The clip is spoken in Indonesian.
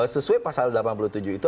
sesuai pasal delapan puluh tujuh itu